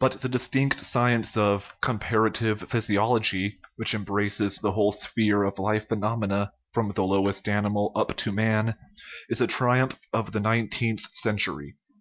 But the distinct science of "compar ative physiology," which embraces the whole sphere of life phenomena, from the lowest animal up to man, is a triumph of the nineteenth century.